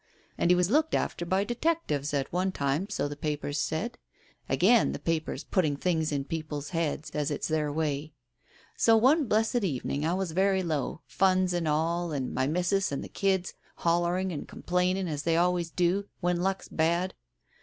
And he was looked after by detec tives, at one time, so the papers said — again the papers, putting things in people's heads, as it's their way. So one blessed evening I was very low — funds and all, and my missus and the kids hollering and complaining as they always do when luck's bad.